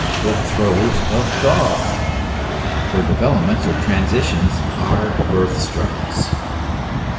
the throes of God for developments (or transitions) are birth struggles.